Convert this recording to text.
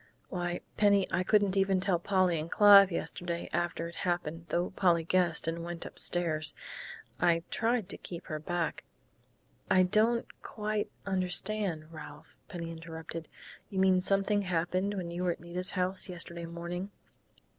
Why, Penny, I wouldn't even tell Polly and Clive yesterday, after it happened, though Polly guessed and went upstairs . I tried to keep her back ." "I don't quite understand, Ralph," Penny interrupted. "You mean something happened when you were at Nita's house yesterday morning?"